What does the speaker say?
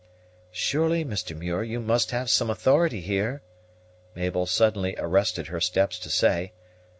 "Surely, Mr. Muir, you must have some authority here?" Mabel suddenly arrested her steps to say.